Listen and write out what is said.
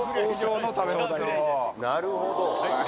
なるほど。